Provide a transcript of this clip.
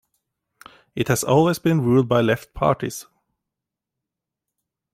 It has been always ruled by left parties.